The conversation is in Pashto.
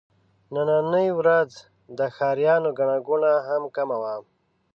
نننۍ ورځ د ښاريانو ګڼه ګوڼه هم کمه وه.